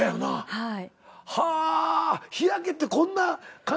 はい。